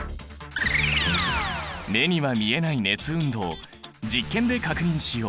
目には見えない熱運動実験で確認しよう！